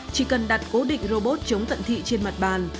chỉ cần đặt cố định robot chống tận thị trên mặt bàn